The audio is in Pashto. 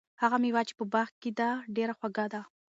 هغه مېوه چې په باغ کې ده، ډېره خوږه ده.